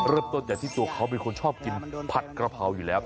เริ่มต้นจากที่ตัวเขาเป็นคนชอบกินผัดกระเพราอยู่แล้ว